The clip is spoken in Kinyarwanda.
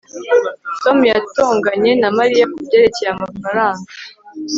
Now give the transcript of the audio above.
tom yatonganye na mariya kubyerekeye amafaranga